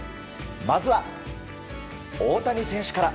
まずは、大谷選手から。